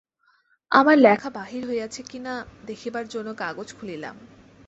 আমার লেখা বাহির হইয়াছে কি না দেখিবার জন্য কাগজ খুলিলাম।